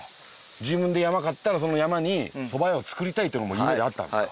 自分で山買ったらその山にそば屋を作りたいっていうのも夢であったんですか？